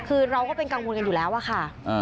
คือเราก็เป็นกังวลกันอยู่แล้วอะค่ะ